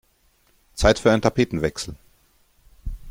Zeit für einen Tapetenwechsel!